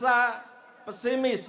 jangan sampai kita pesimis